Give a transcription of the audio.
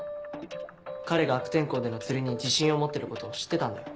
彼が悪天候での釣りに自信を持ってることを知ってたんだよ。